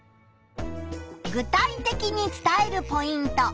具体的に伝えるポイント。